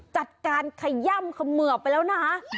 จัดการขย่ำเขมือบไปแล้วนะ